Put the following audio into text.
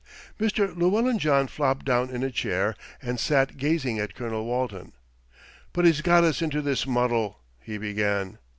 Mr. Llewellyn John flopped down in a chair, and sat gazing at Colonel Walton. "But he's got us into this muddle," he began.